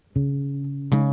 kami akan mencoba